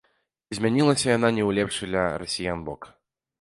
І змянілася яна не ў лепшы для расіян бок.